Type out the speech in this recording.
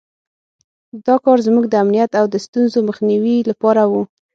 دا کار زموږ د امنیت او د ستونزو مخنیوي لپاره وو.